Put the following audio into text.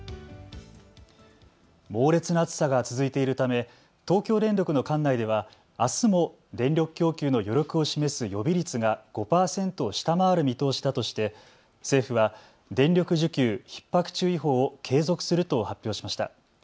猛烈な暑さが続いているため東京電力の管内ではあすも電力供給の余力を示す予備率が５％を下回る見通しだとして政府は電力需給ひっ迫注意報を継続すると発表しました。